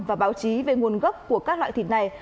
và báo chí về nguồn gốc của các loại thịt này